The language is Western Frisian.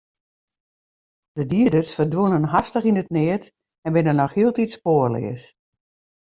De dieders ferdwûnen hastich yn it neat en binne noch hieltyd spoarleas.